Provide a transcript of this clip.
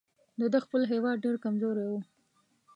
د ده خپل هیواد ډېر کمزوری وو.